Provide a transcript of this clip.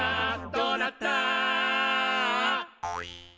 「どうなった？」